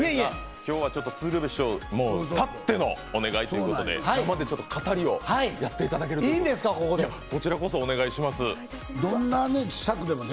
今日は鶴瓶師匠たってのお願いということで、語りをやっていただけるということで。